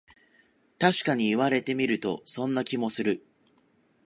たしかに言われてみると、そんな気もする